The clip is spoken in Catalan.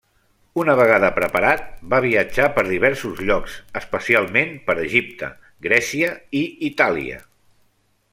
Una vegada preparat, va viatjar per diversos llocs especialment per Egipte, Grècia i Itàlia.